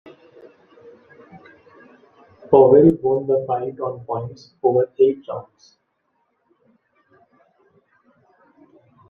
Powell won the fight on points, over eight rounds.